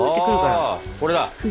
ああこれだ。